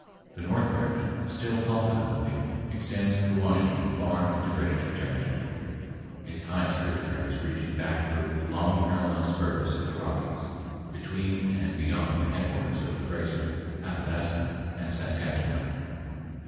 The north branch, still called the Columbia, extends through Washington far into British territory, its highest tributaries reaching back through long parallel spurs of the Rockies between and beyond the headwaters of the Fraser, Athabasca, and Saskatchewan.